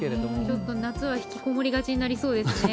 ちょっと夏はひきこもりがちになりそうですね。